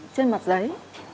trên mặt giấy